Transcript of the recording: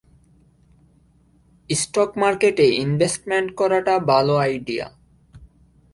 Stock মার্কেটে investment করাটা ভালো আইডিয়া।